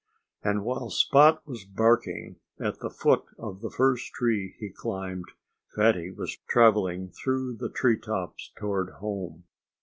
And while Spot was barking at the foot of the first tree he climbed, Fatty was travelling through the tree tops toward home.